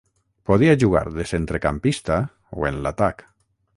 Podia jugar de centrecampista o en l'atac.